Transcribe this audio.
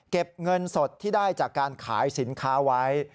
เงินสดที่ได้จากการขายสินค้าไว้